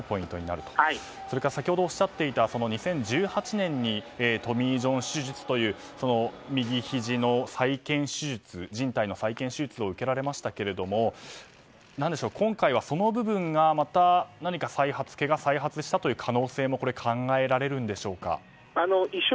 それから先ほどおっしゃっていた２０１８年にトミー・ジョン手術という右ひじのじん帯の再建手術を受けられましたが今回、その部分でけがが再発したという可能性も考えられるのでしょうか？